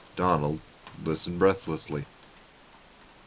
Donald listened breathlessly.